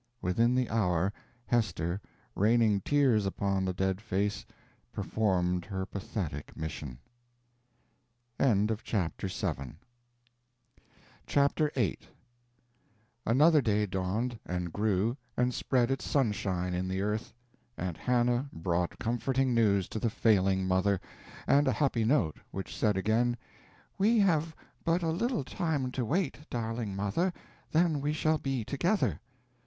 Within the hour, Hester, raining tears upon the dead face, performed her pathetic mission. CHAPTER VIII Another day dawned, and grew, and spread its sunshine in the earth. Aunt Hannah brought comforting news to the failing mother, and a happy note, which said again, "We have but a little time to wait, darling mother, then we shall be together."